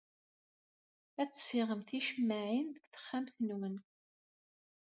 Ad tessiɣem ticemmaɛin deg texxamt-nwen.